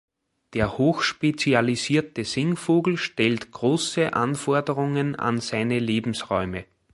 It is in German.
Der hochspezialisierte Singvogel stellt große Anforderungen an seine Lebensräume.